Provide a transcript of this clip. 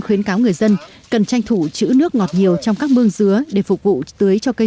khuyến cáo người dân cần tranh thủ chữ nước ngọt nhiều trong các mương dứa để phục vụ tưới cho cây